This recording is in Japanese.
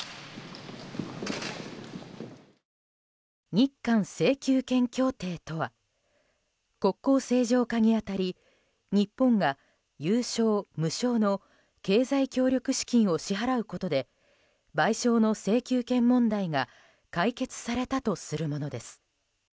日韓請求権協定とは国交正常化に当たり日本が有償・無償の経済協力資金を支払うことで賠償の請求権問題が解決されたとするものです。